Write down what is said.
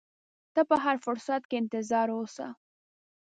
ته په هر فرصت کې انتظار اوسه.